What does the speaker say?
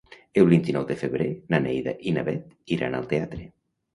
El vint-i-nou de febrer na Neida i na Bet iran al teatre.